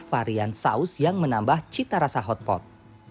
varian saus yang menambah cita rasa hotpot